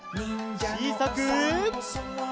ちいさく。